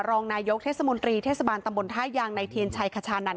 รองนายกเทศมนตรีเทศบาลตำบลท่ายางในเทียนชัยขชานันท